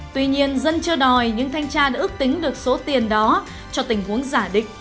tuy nhiên dân chưa đòi những thanh tra đã ước tính được số tiền đó cho tình huống giả định